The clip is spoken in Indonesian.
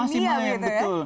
masih main betul